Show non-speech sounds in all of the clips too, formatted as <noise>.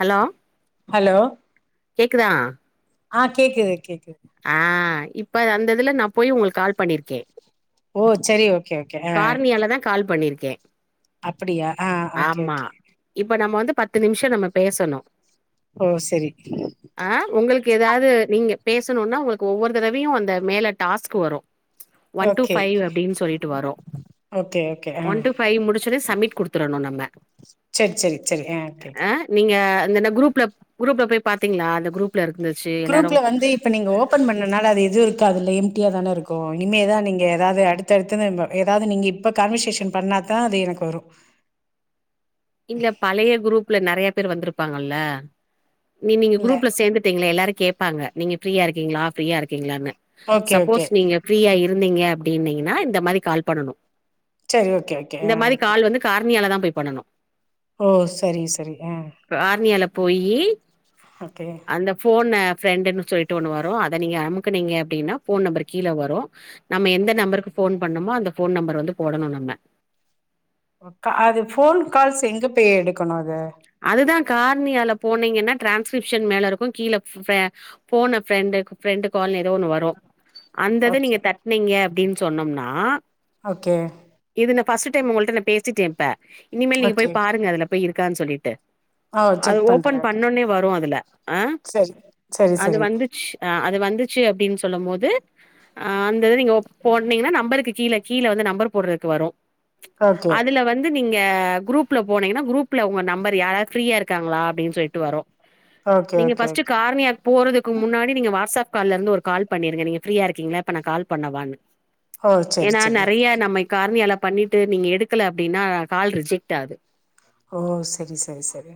Hello hello கேக்குதா ஆ கேக்குது கேக்குது அ இப்ப அந்ததுல நா போய் ஒங்ளுக் கால் பண்ணிருக்கே ஓ சரி ஓகே ஓகே அ காரணியால தா கால் பண்ணிருக்கே அப்புடியா அ ஓகே ஆமா ஓகே இப்ப நம்ம வந்து பத்து நிம்ஷோ நம்ம பேச்ணு ஓ சரி <unintelligible> ஆ உங்களுக்கு ஏதாது நீங்க பேசணுன்னா உங்களுக்கு ஒவ்வொரு தடவையு அந்த மேல டாஸ்க்கு வரு ஒன் டூ ஓகே ஃபைவ் அப்பிடின்னு சொல்லிட்டு வரு ஓகே ஓகே ஆ ஒன் டு ஃபைவ் முடிச்சோன சமிட் குடுத்துறணு நம்ம செர் செர் செரி ஆ ஓகே ஆ நீங்க அந்தந் குரூப்ல குரூப்ல போய் பாத்தீங்களா அந்த குரூப் குரூப்ல வந்து இப்ப நீங்க ஓபன் பண்ணனால அது எது இருக்காதுல எம்ட்டியாதான இருக்கு இனிமேதா நீங்க ஏதாது அடுத் தடுத்துனு ஏதாது நீங்க இப்ப கன்வர்சேஷன் பண்ணாத்தா அது எனக்கு வரு இல்ல பழைய குரூப்ல நெறைய பேர் வந்துருப்பாங்கல்ல நீ நீங்க இல்ல குரூப்ல சேந்து ட்டுங்களா எல்லாரு கேப்பாங்க நீங்க ஃப்ரீயா இருக்கீங்களா ஃப்ரீயா இருக்கீங்களான்னு ஓகே ஓகே சப்போஸ் நீங்க ஃபீரியா இருந்தீங்க அப்பிடினீங்கன்னா இந்த மாரி கால் பண்ணணு சரி ஓகே ஓகே இந்த ஆ மாரி ஓகே கால் வந்து கார்ணியால தா போய் பண்ணணு ஓ செரி செரி ஆ கார்னியால போயி ஓகே அந்த போன ஃப்ரெண்டுன்னு சொல்லிட்டு ஒண்ணு வரு அத நீங்க அமுக்கனீங்க அப்டின்னா ஃபோன் நம்பர் கீழ வரு நம்ம எந்த நம்பருக்கு ஃபோன் பண்ணுமோ அந்த ஃபோன் நம்பர் வந்து போடணு நம்ம அது போன் கால்ஸ் எங்க போய் எடுக்கணு அத அதுதா கார்ணியால போனீங்கன்னா டிரான்ஸ்கிரிப்ஷன் மேல இருக்கு கீழ ஃபே போன ஃப்ரெண்டு ஃப்ரெண்டு கால்னு ஏதோ ஒன்னு வரு அந்த இத நீங்க ஓகே தட்னீங்க அப்டின்னு சொன்னோம்னா ஓகே இது நா ஃபஸ்ட்டு டைம் உங்கள்ட்ட நா பேசிட்டே இப்ப இனிமேல் நீங்க ஓகே போய் பாருங்க அதுல போய் இருக்கான் சொல்லிட்டு ஓ அது செக் பண்றே ஓபன் பண்ணனே வரு அதுல சரி சரி அது சரி வந்துச்சு ஆ அது வந்துச்சு அப்டின்னு சொல்லம் போது ஆ அந்த இது நீங்க போட்னீங்கன்னா நம்பருக்கு கீழ கீழ வந்து நம்பர் போட்றக்கு வரு ஓகே அதுல வந்து நீங்க குரூப்ல போனீங்கன்னா குரூப்ல உங்க நம்பர் யார் யார் ஃப்ரீயா இருக்காங்களா அப்டின்னு சொல்லிட்டு வரு ஓகே நீங்க ஓகே ஃபஸ்ட்டு ஓகே கார்ணியாக் போறதுக்கு முன்னாடி நீங்க வாட்ஸ்அப் கால்ல இருந்து ஒரு கால் பண்ணிருங்க நீ ஃப்ரீயா இருக்கீங்களா இப்ப நா கால் பண்ணவானு ஓ சரி ஏன்னா சரி நெறைய நம்ம கார்ணியால பண்ணிட்டு நீங்க எடுக்கல அப்டின்னா கால் ரிஜெக்ட் ஆது ஓ செரி செரி செரி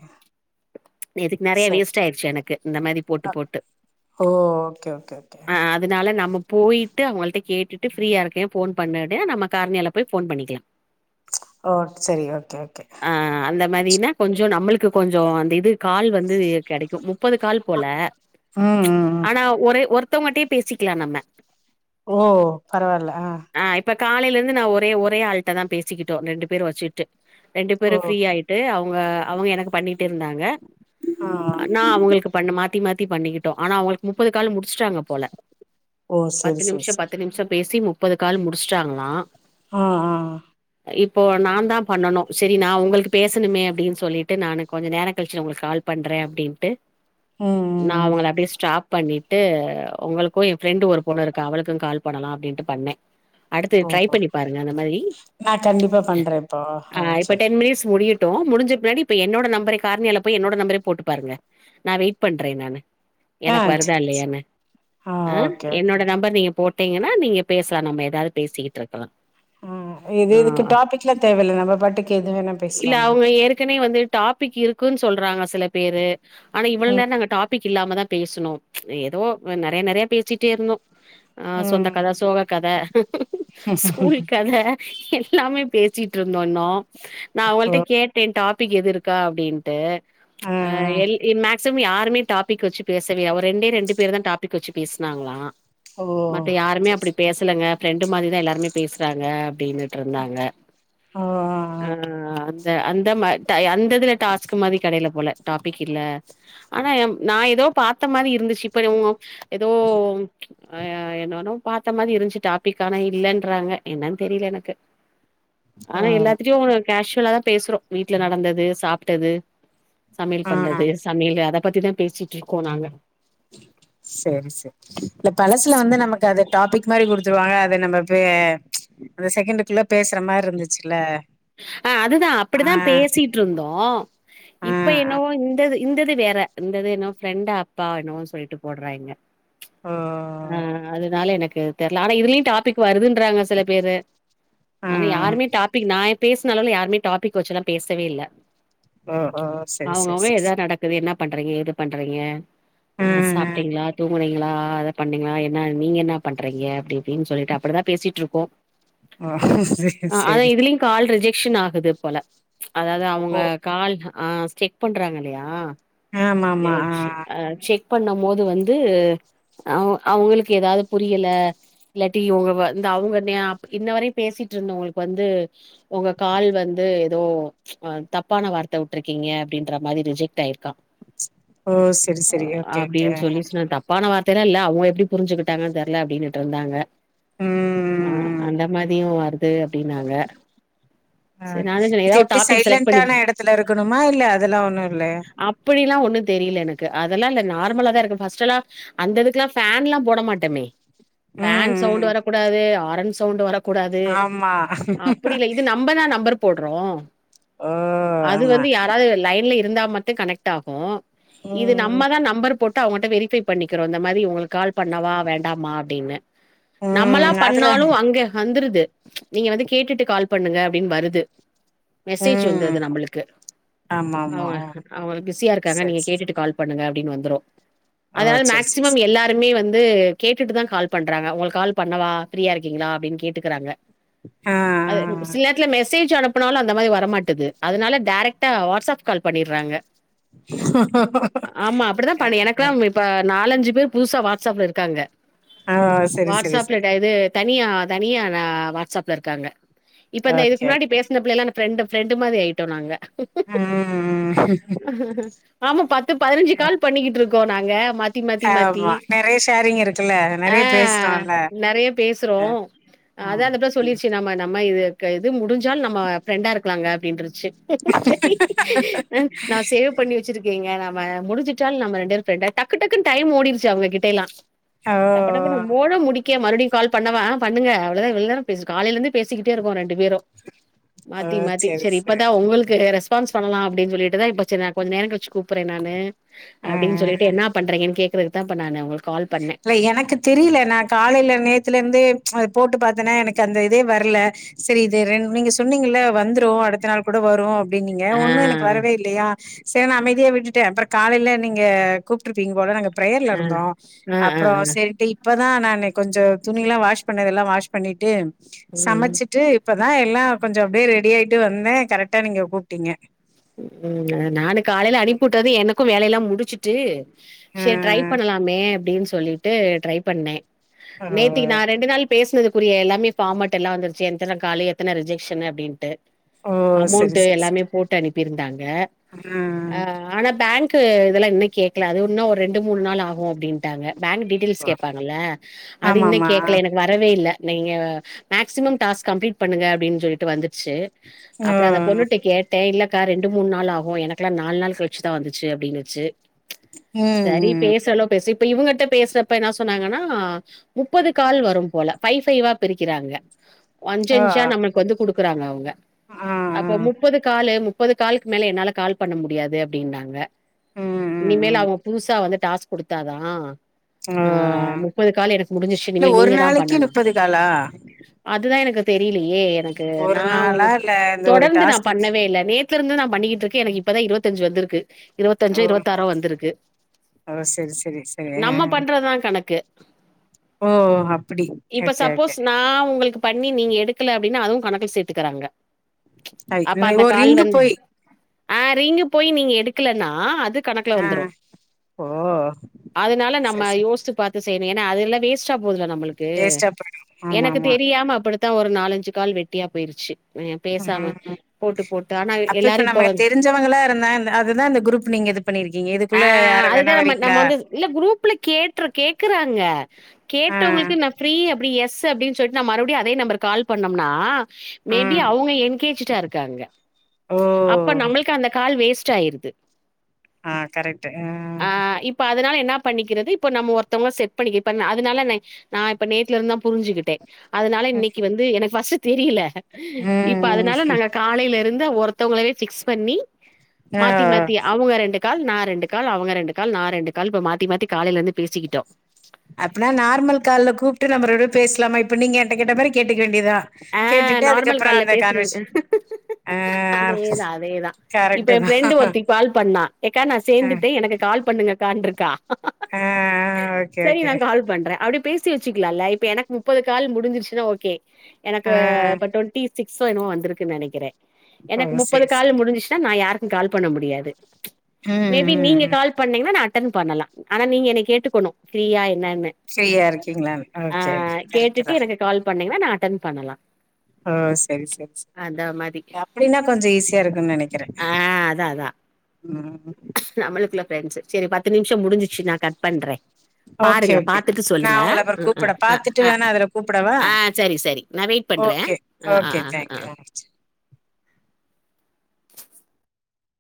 நேத்திக்கு நெறைய வேஸ்ட் ஆயிடுச்சு எனக்கு இந்த மாரி போட்டு அ போட்டு ஓ ஓகே ஓகே ஓகே ஓகே அல்ல நம்ம போயிட்டு அவங்கள்ட கேட்டு ஃப்ரீயா இருக்கே போன் பண்ணே நம்ம கார்ணியால போய் போன் பண்ணிக்கலா ஓ செரி ஓகே ஓகே ஆ அந்த மாரினா கொஞ்சோ நம்மளுக்கு கொஞ்சோ அந்த இது கால் வந்து கெடைக்கு முப்பது கால் போல ம் ம் ம் ஆனா ஒரே ஒருத் மத்தவங்கிட்டே பேசிக்கலா நம்ம ஓ ஆ இப்ப காலையில இருந்து நா ஒரே ஒரே ஆள்ட்ட தா பேசிக்கிட்டோ ரெண்டு பேரு வெச்சுகிட்டு ரெண்டு பேரு ஓ ஃப்ரீ ஆயிட்டு அவங்க அவங்க எனக்கு பண்ணிட்டு இருந்தாங்க ஆ ஆ நா அவங்களுக்கு பண்ண மாத்தி மாத்தி பண்ணிக்கிட்டோ ஆனா அவங்களுக்கு முப்பது கால் முடிச்சுட்டாங்க போல ஓ பத்து சரி சரி நிமிஷ சரி பத்து நிமிஷ பேசி முப்பது கால் முடிச்சிட்டாங்களா ஆ ஆ இப்போ நா தா பண்ணனு செரி நா உங்களுக்கு பேசணுமே அப்டின்னு சொல்லிட்டு நானு கொஞ்சோ நேர கழிச்சு உங்களுக்கு கால் பண்றே அப்டின்ட்டு ம் ம் நா ம் அவங்கள அப்டியே ஸ்டாப் பண்ணிட்டு உங்களுக்கு ஏ ஃபிரெண்டு் ஒரு பொண்ணு இருக்கா அவளுக்கு கால் பண்ணலா அப்டின்ட்டு பண்ணே அடுத்து ஓ ட்ரை பண்ணி பாருங்க அந்த மாதிரி நா கண்டிப்பா பண்றே இப்போ ஆ அ இப்ப சரி டென் மினிட்ஸ் முடியட் ட்டு முடிஞ்ச பின்னாடி இப்ப என்னோட நம்பரே கார்ணியால போய் என்னோட நம்பரே போட்டு பாருங்க நா வெயிட் பண்றே நானு ஆ எனக் வருதா சரி சரி. இல்லயானு ஆ ஓகே ஓகே என்னோட ஓகே நம்பர் நீங்க போட் டிங்கனா நீங்க பேசலா நம்ம எதாவது பேசிட்ருக்கலா ஆ இது இதுக்கு டாபிக்லா தேவல்ல நம்ம பாட்டுக்கு எது வேணா இல்ல பேசலாமா அவங்க ஏற்கனவே வந்து டாபிக் இருக்குன் சொல்றாங்க சில பேரு ஆனா இவ்ள ம் நேர நாங்க டாபிக் டாபிக் இல்லாம தா பேசனோ எதோ நறைய நறைய பேசிட்டே இருந்தோ ஆ சொந்த ம் கத சோக கத ஸ்கூல் கத எல்லாமே பேசிட்டு இருந்தோன்னோ நா ஓ அவங்கள்ட்ட கேட்டே டாபிக் எது இருக்கா அப்டின் ட்டு ஆ எல் ன் மேக் சிம் யாருமே டாபிக் வச்சு பேசலியா அவ ரெண்டே ரெண்டு பேர்தா டாபிக் வெச்சு பேசுனாங்ளா ஓ மத்த யாருமே செரி அப்டி பேசலங்க ஃப்ரெண்டு மாதிரிதா எல்லாருமே பேசுறாங்க அப்டின்னு ட்ருந்தாங்க ஓ ஆ அந்த அந்த மா ட அந்ததுல டாஸ்க் மாதிரி கடையில போல டாபிக் இல்ல ஆனா யம் நா எதோ பாத்த மாரி இருந்துச்சு இப்ப நீ உங்க எதோ அ என்னானோ பாத்த மாதி இருன்ச்சி டாப்பிக் ஆனா இல்லைன்றாங்க என்னன் தெரியல எனக்கு ஆ ஆனா எல்லாத்திட்டயும் கேஷுவலா தா பேசுறோ வீட்ல நடந்தது சாப்ட்டது சமையல் ஆ பண்றது சமையல் அத பத்திதா பேசிட் இருக்கோ நாங்க சரி சர் இல்ல பழசுல வந்து நமக் அத டாபிக் மாரி குடுத்துருவாங்க அத நம்ம பே அந்த செகண்டுக்குள்ள பேசுற மாரி இருந்துச்சுல அ அதுதா அப்படிதா பேசிட்ருந்தோ ஆ இப்ப ஆ என்னவோ இந்தது இந்தது வேற இந்தது என்னோ ஃப்ரெண்ட் ஆப்பா என்னவோ சொல்லிட்டு போட்றாய்ங்க ஆ ஆ அதுனால எனக்கு தெர்ல ஆனா இதுலயு டாபிக் வருதுன்றாங்க சில பேரு ஆ ஆ. ஆனா யாருமே டாபிக் நா பேசின அளவுல யாருமே டாபிக் வச்சுலா பேசவே இல்ல ஓ ஓ செரி செரி அவங்கவுங்க எதோ செரி நடக்குது என்ன பண்றீங்க எது பண்றீங்க ஆ செரி சாப்ட்டீங்களா தூங்குனீங்களா அத பண்ணீங்களா என்ன நீங்க என்னா பண்றீங்க அப்டி இப்டின் சொல்லிட்டு அப்டிதா பேசிட் இருக்கோ ஆ செரி செரி இதுலயு கால் ரிஜெக்ஷன் ஆகுது போல அதாவது அவங்க ஓ கால் ஆ செக் பண்றாங்க இல்லையா சேர் சேர் ஆ செக் பண்ணுமோது வந்து அவ அவ்ங்களுக்கு எதாவது புரியல இல்லாட்டி இவ்ங்க வந் அவங்க நே அப் இன்ன வரையு பேசிட்ருந்தவங்களுக்கு வந்து ஒங்க கால் வந்து எதோ தப்பான வார்த்த விட்ருக்கீங்க அப்டின்ற மாதிரி ரிஜெக்ட் ஆயிருக்கான் ஓ செரி செரி ஓகே ஓகே ஆ அ போன வார்த்தையல்லாம் இல்ல அவ்ங்க எப்டி புரிஞ்சுக்கிட்டாங்கன் தெர்ல அப்டினுட்டு இருந்தாங்க ம் ஆ ம் அந்த மாதியு வருது அப்டினாங்க ஆ இது எப்டி டாபிக் செலக்ட் பண்ணி சைலன்டான இடத்துல இருக்கணுமா இல்ல அதெல்லா ஒண்ணு இல்லயா அப்படிலா ஒன்னு தெரில எனக்கு அதெல்லா இல்ல நார்மலாதா இருக்கு ஃபர்ஸ்ட் எல்லா அந்த இதுக்லா ஃபேன்லா போட மாட்டமே ஃபேன் ம் சவுண்ட் ம் வரக்கூடாது ஆரன் சவுண்ட் வரக் ஆமா இது நம்பதா நம்பர் போடுறோ ஓ அது ஆமா வந்து யாராவது லைன்ல இரு இருந்தா மட்டும் கனெக்ட் ஆகு இது ம் நம்மதா நம்பர் போட்டு அவங்கட்ட வெரிஃபை பண்ணிக்கிறோ இந்த மாதி ஒங்களுக் கால் பண்ணவா வேண்டாமா அப்டின்னு நம்மலா ம் அதுல பண்ணாலு அங்க வந்துருது நீங்க வந்து கேட்டுட்டு கால் பண்ணுங்க அப்டின் வருது மெசேஜ் ம் வந்தருது நம்மளுக்கு ஆமா அவ ஆமா ஓ அவங்க பிஸியா இருக்காங்க செரி நீங்க செரி கேட்டுட்டு கால் பண்ணுங்க அப்டின்னு வந்துரு ஓ அதனால செரி மேக்சிமம் செரி எல்லாத் துலுமே வந்து கேட்டுட்டுதா கால் பண்றாங்க உங்களுக்கு கால் பண்ணவா ஃப்ரீயா இருக்கீங்களா அப்டின் கேட்டுக்கிறாங்க ஆ அது சில் நேரத்தில மெசேஜ் அனுப்புனாலு அந்த மாரி வர மாட்டது அதனால டேரக்டாக வாட்ஸ்ஆப் கால் பண்ணிடுறாங்க ஆமா அப்டிதா பண்ணி எனக் ஆ <unintelligible> இப்ப நாலஞ்சு பேர் புதுசா வாட்ஸ்அப் இருக்காங்க ஆ ஓ செரி செரி வாட்ஸ்அப்ல செரி <unintelligible> இது தனியா தனியா ந வாட்ஸ்அப்ல இருக்காங்க இப்ப இந்த இதுக்கு ஓகே முன்னாடி ஓகே பேசின பிள்ளயெல்லா ஃப்ரெண்டு ஃப்ரெண்டு மாரி ஆயிட்டோ நாங்க ம் ஆமா பத்து பதினஞ்சு கால் பண்ணிக்கிட்ருக்கோ நாங்க மாத்தி மாத்தி மாத்தி ஆமா நெறைய ஷேரிங் இருக்குல்ல ஆ நெறைய பேசுறோம்ல நெறைய பேசுறோம் அதா அந்தப்புள்ள சொல்லிருச்சு நம்ம நம் இது இது முடிஞ்சாலு நம்ம ஃபிரண்டா இருக்கலாங்க அப்டின்றச்சு செரி ந நா சேவ் பண்ணி வச்சிருக்கீங்க நம்ம முடிஞ்சிட்டால நம்ம ரெண்டு பேரு ஃப்ரண்டா டக்கு டக்குன்னு டைம் ஓடிடுச்சு அவுங்ககிட்டயெல்லா ஆ ஓ டப்பு டப்புன்னு மொடா முடிக்க மறுபடியு கால் பண்ணவா ஆ பண்ணுங்க அவ்ளோதா இவ்ளோ நேர பேசு காலையிலேந்து பேசிக்கிட்டே இருக்கோ ரெண்டு பேரும மாத்தி மாத்தி செரி இப்பதா உங்க க்கு அ ரெஸ்பான்ஸ் பண்ணல அப்டின்னு சொல்லிட்டுதா இப்ப செரி ந கொஞ்ச நேர கிச்சு கூப்புறே நானு ஆ அப்டின்னு சொல்லிட்டு ஆ. என்னா பண்றங்கன்னு கேக்கறதுக்கு தா இப்ப நானு உங்களுக் இல்ல எனக்கு தெரியில காலையில நேத்துலெருந்தே அது போட்டு பாத்தேன்னா எனக்கு அந்த இதே வர்ல செரி இது ரெ நீங்க சொன்னீங்கல்ல வந்துரு அடுத்த நாள் கூட வரு அப்டினீங்க ஒன்னு எனக்கு ஆ வரவே இல்லையா செரு நா அமைதியா விட்டுட்டே அப்பறோ காலையில நீங்க கூப்ட்டுருப்பீங்க போல நாங்க பிரேயர்ல ஆ இருந்தோ ஆ ஆ அப்பறோ ஆ செ ரி இப்பதா நானு கொஞ்சோ துணி எல்லா வாஷ் பண்ணதெல்லா வாஷ் பண்ணிட்டு ம் சமச்சிட்டு இப்பதா எல்லா கொஞ்சோ அப்டியே ரெடி ஆய்ட்டு வந்தே கரெக்டா நீங்க கூப்ட்டீங்க ம் நானு காலையில அனுப்பி வுட்டது எனக்கு வேலையெல்லா முடிச்சுட்டு செர் ட்ரை ஆ. பண்ணலாமே அப்டின் சொல்லிட்டு ட்ரை பண்ணே ஓ! நேத்தக்கி நா ரெண்டு நாள் பேசினதுக்குரிய எல்லாமே ஃபார்மேட் எல்லா வந்துரிச்சு எத்தன காலு எத்தன ரிஜெக்ஷன்னு அப்டின்ட்டு ஓ! சரி, அமௌண்ட் சரி, எல்லாமே சரி. போட்டு அனுப்பியிருந்தாங்க ஆ. அ ஆனா பேங்க் இதெல்லா இன்னு கேக்கல அது இன்னு ஒரு ரெண்டு மூணு நாள் ஆகு அப்டின்டாங்க பேங்க் டீ டியில்ஸ் ஆ. கேட்பங்க அது இன்னோ ஆமாமா கேக்கல எனக்கு வர் வே இல்ல நீங்க மேக்சிமம் டாஸ்க் கம்ப்ளீட் பண்ணுங்க அப்டின்னு சொல்லிட்டு வந்துச்சு ஓ அப்பறோ அந்த ம் பொண்ணுட்டு கேட்டே இல்ல க்கா ரெண்டு மூணு நாள் ஆகு எனக்குல்லா நாலு நாள் கழிச்சுத வச்சு அப்டின்னுச்சி சரி ம் பேசுறலோ பேசு இப்ப இவுங்ட்ட பேசுறப்ப என்ன சொன்னாங்கன்னா முப்பது கால் வரு போல ஃபைவ் ஃபைவா பிரிக்கிறாங்க அஞ்ச ஓ அஞ்சா ஆ நம்மளுக்கு வந்து குடுக்குறாங்க அவுங்க ஆ அப்போ முப்பது காலு மு ப்பது காலுக்கு மேல என்னால கால் பண்ண முடியாது அப்டின்னாங்க ம் ம் இனிமேல் ம் அவுங்க புதுசா வந்து டாஸ் குடுத்தாதா ஓ ஆ முப்பது கால் எனக்கு முடிஞ்சிச்சு இல்ல இனிமே ஒரு நீங்க தா நாளைக்கு பண்ணணு முப்பது காலா அதுதா எனக்கு தெரியிலியே எனக்கு ஒரு நா உங் நாளா இல்ல இந்த ஒரு தொடர்ந்து நா டாஸ்க்குக்கு பண்ணவே இல்ல நேத் ல இருந்து நா பண்ணிக்கிட்டு இருக்கே எனக்கு இப்பதா இருவத்தஞ்சு வந்துருக்கு ஓ இருவத்தஞ்சோ இருவத்தாறோ வந்துருக்கு ஓ செரி செரி செரி ஆ நம்ம பண்றதுதா கணக்கு ஓ அப்டி இப்ப ஓகே சப்போஸ் ஓகே நா உங்களுக் பண்ணி நீங்க எடுக்கல அப்டின்னா அதுவு கணக்குல சேத்துக்கறாங்க ஐ அப்ப அந்த ஓ கால் ரிங்கு வந்து போய் ஆ ரிங்கு போயி நீங்க எடுக்கலான அதுக் கணக்குல ஆ வந்துரு ஓ அதனால நம்ம செரி செரி யோசுச்சு பாத்து செய்யணு ஏனா அதல்லா வேஸ்டா போகுதுல நம்மளுக்கு வேஸ்ட்டா போயிடு எனக்கு ஆமாமா தெரியாம அப்படி தா ஒரு நாலஞ்சு கால் வெட்டியா போயிருச்சு அ பேசாம ம் போட்டு போட்டு ஆனா அப்ப இப்ப எல்லாரு நமக்கு வந்து தெரிஞ்சவங்களா இருந்தா இந்த குரூப் நீங்க இது பண்ணிருக்கீங்க ஆ இதுக்குள்ள யார அதுதா வேணா நம்ம நம்ம வரீங்களா வந்து இல்ல குரூப்ல கேட்ரு கேக்குறாங்க ஆ கேட்டவங்களுக்கு நா ஃப்ரீ அப்டி எஸ் அப்டின்னு சொல்லிட்டு நா மறுபடியு அதே நம்பர்க்கு கால் பண்ணோம்னா ஆ மேபி அவங்க என்கேஜ்டா இருக்காங்க அப்ப ஓ நம்மளுக்கு அந்த கால் கால் வேஸ்ட் ஆயிருது ஆ கரெக்டு அ ஆ இப்ப அதனால என்ன பணிக்குறது இப்ப நம்ம ஒருத்தவங்க செட் பண்ணிக் இப்ப நா அதுனால நா நா இப்ப நேத்ல இருந்துதா புரிஞ்சுகிட்டே அதனால இன்னைக்கு ம் வந்து எனக்கு ஃபஸ்டு தெரியல இப்ப அதனால நாங் காலையில இருந்து ஒருத்தவங்களே ஃபிக்ஸ் பண்ணி ஆ மாத்தி மாத்தி அவுங்க ரெண்டு கால் நா ரெண் டு கால் அவுங்க ரெண்டு கால் நா ரெண்டு கால் இப்ப மாத்தி மாத்தி காலையில இருந்து பேசிக்கிட்டோ அப்டினா நார்மல் கால்ல கூப்டு நம்ம ரெண்டு பேரு பேசலாமா இப்ப நீங்க எங்கிட்ட கேட்ட மாரி கேட்டுக்க வேண்டியதா ஆ கேட்டுட்டு அதுக்கப்றோ அந்த கான்வர்ஷேச அதேதா அதேதா இப்ப கரெக்ட் ஏ தா ஃப்ரெண்டு ஒருத்தி கால் பண்ணா எக்கா நா ஆ சேந்துட்டே எனக்கு கால் பண்ணுங்க கான்ருக்கா ஆ ஓகே செரி ஓகே நா கால் பண்றே அப்டி பேசி வச்சுக்கலால்ல எனக்கு இப்ப எனக்கு முப்பது கால் முடிஞ்சிருச்சுன்னா ஓகே எனக்கு ஆ இப்ப டுவெண்டிஸ் சிப்ஸோ என்னமோ வந்துருக்குனு நெனைக்கிறே ஓ எனக்கு முப்பது செரி கால் செரி முடிஞ்சுச்சுன்னா நா யாருக்கு கால் பண்ண முடியாது ம் மேபி ம் நீங்க ம் கால் பண்ணீங்கனா நா அட்டன் பண்ணலா ஆனா நீங்க என்ன கேட்டுக்கணு ஃப்ரீயா என்னன்னு ஃப்ரீயா இருக்கீங்களானு ஓ ஆ செரி செரி கரெக்டு கேட்டுட்டு தா எனக்கு கால் பண்ணீங்கனா நா அட்டன் பண்ணலா ஓ செரி செரி செரி அப்டின்னா கொஞ்ச ஈஸியா இருக்குனு நெனைக்கிறே ஆ அதான் அதான். ம் நம்மளுக்குள்ள ஃப்ரெண்ட்ஸு சேரி பத்து நிம்ஷோ முடிஞ்சிச்சு நா கட் பண்றே ஓகே பாருங்க ஓகே பாத்துட்டு நா சொல்லுங்க உங்கள அப்புறோ கூப்புட ஆ பாத்துட்டு ஆ வேணா அதுல கூப்புடவா ஆ செரி செரி நா வெயிட் பண்றே ஓகே. Okay thank you